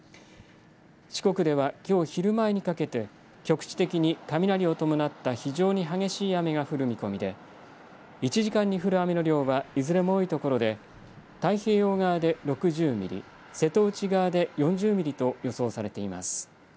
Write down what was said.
四国では、きょう昼前にかけて局地的に雷を伴った非常に激しい雨が降る見込みで１時間に降る雨の量はいずれも多いところで太平洋側で６０ミリ、瀬戸内側で４０ミリと予想されています。